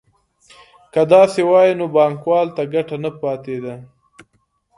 که داسې وای نو بانکوال ته ګټه نه پاتېده